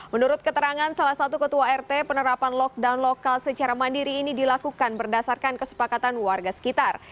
menurut keterangan salah satu ketua rt penerapan lockdown lokal secara mandiri ini dilakukan berdasarkan kesepakatan warga sekitar